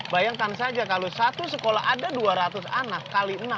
bayangkan saja kalau satu sekolah ada dua ratus anak kali enam